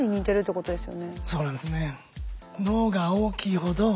そうなんですね。